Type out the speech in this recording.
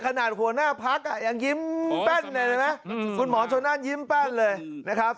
ขนาดหัวหน้าพักอย่างยิ้มแป้นคุณหมอชนั่นยิ้มแป้นเลยนะครับ